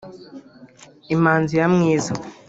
Imanzi ya mwiza